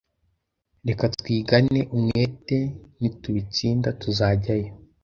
rekatwigane umwete Nitubitsinda tuzajyayo.